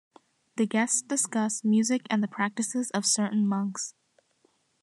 The guests discuss music and the practices of certain monks.